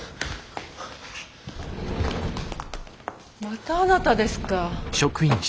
またあなたですか。